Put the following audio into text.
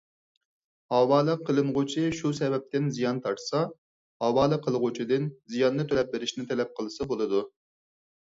ھاۋالە قىلىنغۇچى شۇ سەۋەبتىن زىيان تارتسا، ھاۋالە قىلغۇچىدىن زىياننى تۆلەپ بېرىشنى تەلەپ قىلسا بولىدۇ.